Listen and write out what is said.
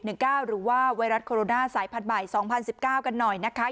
หรือว่าไวรัสโคโรนาสายพันธุ์ใหม่๒๐๑๙กันหน่อยนะคะ